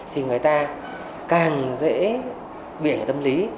thì người ta càng dễ biển tâm lý